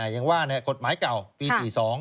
อย่างว่ากฎหมายเก่าปี๔๒